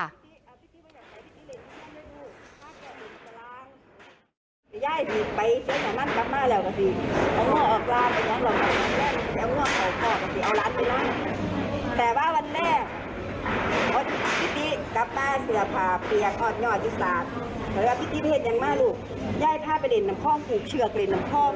แต่ว่าพิธีเพศยังมากลูกย่ายผ้าเป็นน้ำคล่องถูกเฉลี่ยเกลียดน้ำคล่อง